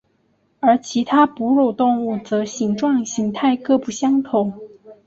而其他哺乳动物则形状形态各不相同。